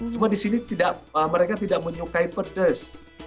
cuma di sini mereka tidak menyukai pedas